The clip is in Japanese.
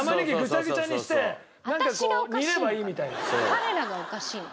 彼らがおかしいの？